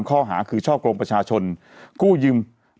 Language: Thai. ข้อหาคือช่อกลงประชาชนกู้ยืม